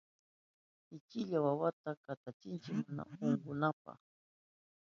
Uchilla wawata katachinki mana unkunanpa.